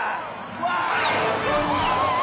うわ！